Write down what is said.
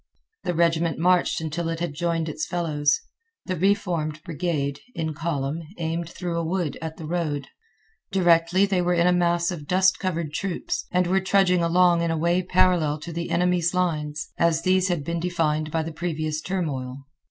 The regiment marched until it had joined its fellows. The reformed brigade, in column, aimed through a wood at the road. Directly they were in a mass of dust covered troops, and were trudging along in a way parallel to the enemy's lines as these had been defined by the previous turmoil.